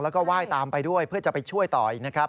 แล้วก็ไหว้ตามไปด้วยเพื่อจะไปช่วยต่ออีกนะครับ